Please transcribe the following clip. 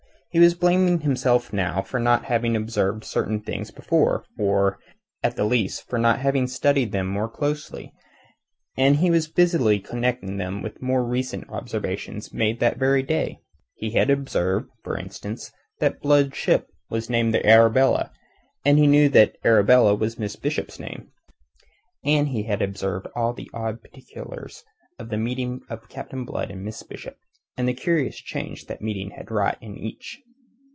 He was blaming himself now for not having observed certain things before, or, at least, for not having studied them more closely, and he was busily connecting them with more recent observations made that very day. He had observed, for instance, that Blood's ship was named the Arabella, and he knew that Arabella was Miss Bishop's name. And he had observed all the odd particulars of the meeting of Captain Blood and Miss Bishop, and the curious change that meeting had wrought in each.